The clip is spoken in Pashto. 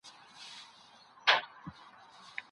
د تکنالوژي بيې په نړيوال بازار کي لوړيدلې.